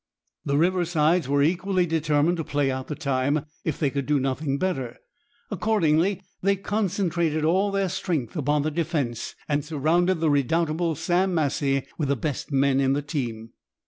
The Riversides were equally determined to play out the time if they could do nothing better. Accordingly they concentrated all their strength upon the defence, and surrounded the redoubtable Sam Massie with the best men in the team.